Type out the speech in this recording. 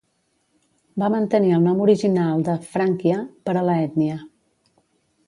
Va mantenir el nom original de "Frankia" per a la ètnia.